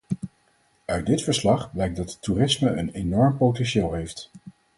Uit dit verslag blijkt dat het toerisme een enorm potentieel heeft.